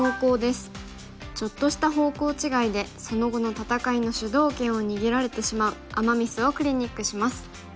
ちょっとした方向違いでその後の戦いの主導権を握られてしまうアマ・ミスをクリニックします。